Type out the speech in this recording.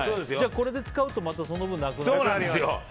これで使うとまたその分がなくなるんですね。